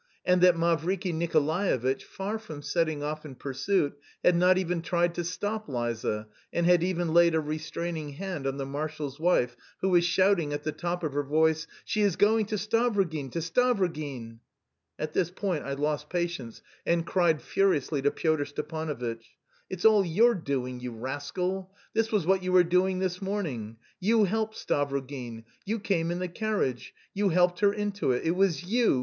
and that Mavriky Nikolaevitch, far from setting off in pursuit, had not even tried to stop Liza, and had even laid a restraining hand on the marshal's wife, who was shouting at the top of her voice: "She is going to Stavrogin, to Stavrogin." At this point I lost patience, and cried furiously to Pyotr Stepanovitch: "It's all your doing, you rascal! This was what you were doing this morning. You helped Stavrogin, you came in the carriage, you helped her into it... it was you, you, you!